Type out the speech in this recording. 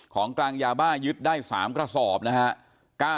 ของกลางยาบ้ายึดได้๓กระสอบนะฮะ